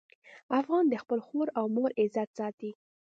افغان د خپل خور او مور عزت ساتي.